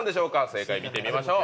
正解見てみましょう。